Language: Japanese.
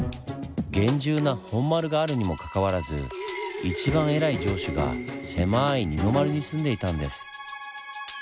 厳重な本丸があるにもかかわらず一番偉い城主がせまい二の丸に住んでいたんです。